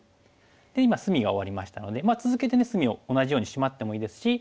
今隅が終わりましたので続けてね隅を同じようにシマってもいいですし。